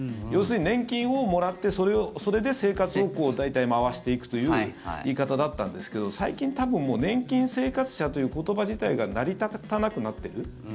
要するに年金をもらってそれで生活を大体、回していくという言い方だったんですけど最近、多分年金生活者という言葉自体が成り立たなくなっている。